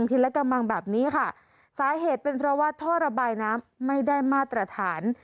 ทีละกระมังแบบนี้ค่ะสาเหตุเป็นเพราะว่าท่อระบายน้ำไม่ได้มาตรฐาน